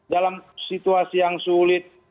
dalam situasi yang sulit